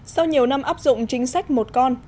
sau nhiều năm áp dụng chính sách một con